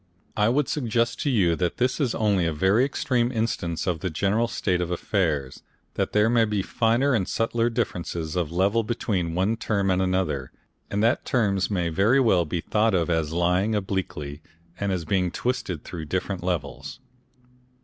I would suggest to you that this is only a very extreme instance of the general state of affairs, that there may be finer and subtler differences of level between one term and another, and that terms may very well be thought of as lying obliquely and as being twisted through different levels.